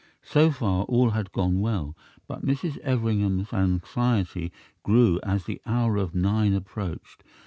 So far, all had gone well; but Mrs. Everingham's anxiety grew as the hour of nine approached.